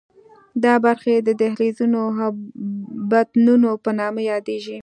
دا برخې د دهلیزونو او بطنونو په نامه یادېږي.